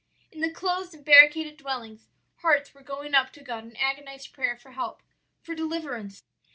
"In the closed and barricaded dwellings hearts were going up to God in agonized prayer for help, for deliverance.